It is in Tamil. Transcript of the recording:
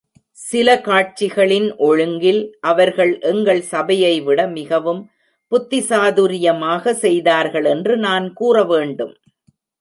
சில காட்சிகளின் ஒழுங்கில் அவர்கள் எங்கள் சபையைவிட மிகவும் புத்தி சாதுர்யமாகச் செய்தார்கள் என்று நான் கூற வேண்டும்.